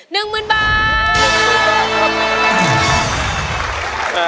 ๑หมื่นบาท